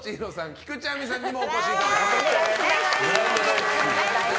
菊地亜美さんにもお越しいただきました。